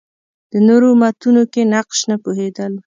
د نورو امتونو کې نقش نه پوهېدل